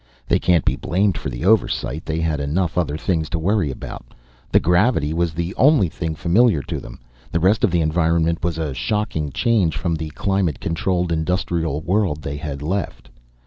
They can't be blamed for the oversight, they had enough other things to worry about. The gravity was about the only thing familiar to them, the rest of the environment was a shocking change from the climate controlled industrial world they had left.